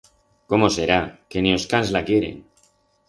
Cómo será, que ni os cans la quieren!